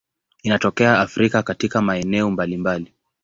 Inatokea Afrika katika maeneo mbalimbali.